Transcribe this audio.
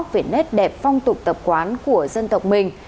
về nét đẹp phong tục tập quán của dân tộc mình